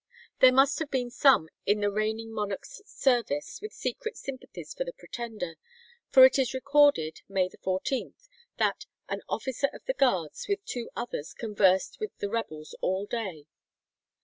There must have been some in the reigning monarch's service with secret sympathies for the Pretender; for it is recorded, May 14th, that "an officer of the guards with two others conversed with the rebels all day."